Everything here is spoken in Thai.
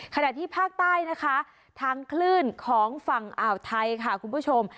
ขณะที่ภาคใต้นะคะทางคลื่นของฝั่งอ่าวไทยค่ะคุณผู้ชม